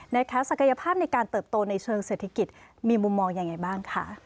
ศักยภาพในการเติบโตในเชิงเศรษฐกิจมีมุมมองยังไงบ้างคะ